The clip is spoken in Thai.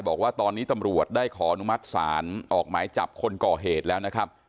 บอกว่าตอนนี้ตำรวจได้ขออนุมัติศาลออกหมายจับคนก่อเหตุแล้วนะครับ